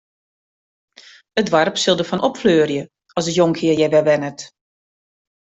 It doarp sil derfan opfleurje as de jonkhear hjir wer wennet.